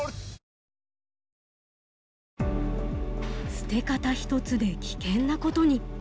捨て方一つで危険なことに。